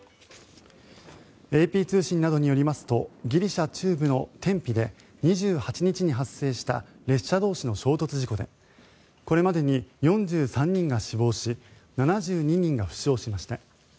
ＡＰ通信などによりますとギリシャ中部のテンピで２８日に発生した列車同士の衝突事故でこれまでに４３人が死亡し７２人が負傷しました。